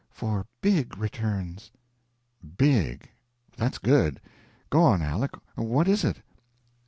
"For big returns." "Big. That's good. Go on, Aleck. What is it?"